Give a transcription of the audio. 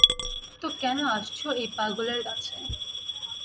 তো কেন আসছো এই পাগলের কাছে।